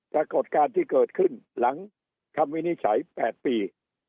ปรากฏการณ์ที่เกิดขึ้นหลังคำวินิจฉัย๘ปี